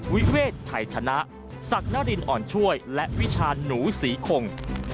วิเวศชัยชนะศักดิ์นรินอ่อนช่วยและวิชาหนูศรีคง